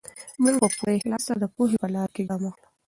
موږ په پوره اخلاص سره د پوهې په لاره کې ګام اخلو.